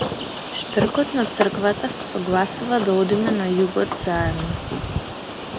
Штркот на црквата се согласува да одиме на југот заедно.